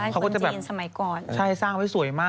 เป็นบ้านสวยมาก